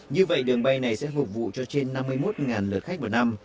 như vậy đường bay này sẽ phục vụ cho trên năm mươi một lượt khách vào năm